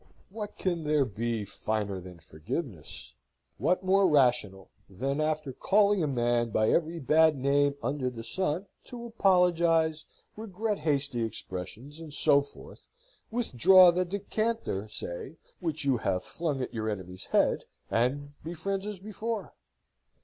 What can there be finer than forgiveness? What more rational than, after calling a man by every bad name under the sun, to apologise, regret hasty expressions, and so forth, withdraw the decanter (say) which you have flung at your enemy's head, and be friends as before?